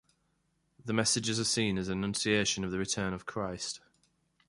The messages are seen as an annunciation of the return of Christ.